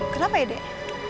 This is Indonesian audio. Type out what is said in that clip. kenapa ya deh